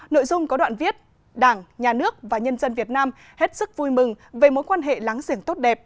nội dung có đoạn viết đảng nhà nước và nhân dân việt nam hết sức vui mừng về mối quan hệ láng giềng tốt đẹp